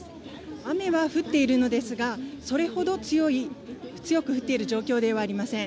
雨は降っているのですが、それほど強く降っている状況ではありません。